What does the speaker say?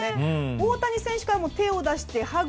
大谷選手からも手を出してハグ。